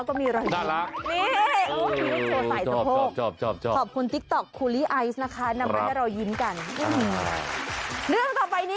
ขอจับหน่อยละไหมมิ้ว